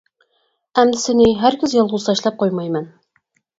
ئەمدى سىنى ھەرگىز يالغۇز تاشلاپ قويمايمەن.